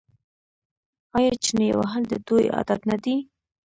آیا چنې وهل د دوی عادت نه دی؟